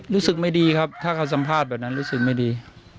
รู้สึกไม่ดีครับถ้าเขาสัมภาษณ์แบบนั้นรู้สึกไม่ดี